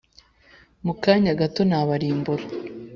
Mu kanya gato nabarimbura